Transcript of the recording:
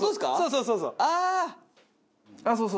そうそうそうそう！